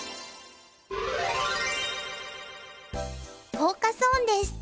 フォーカス・オンです。